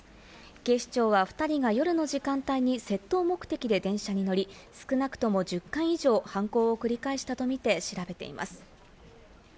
警視庁は２人が夜の時間帯に窃盗目的で電車に乗り、少なくとも１０回以上、犯行を繰り返したとみて調べています。